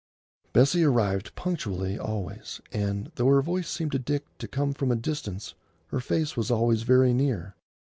Bessie arrived punctually always, and, though her voice seemed to Dick to come from a distance, her face was always very near.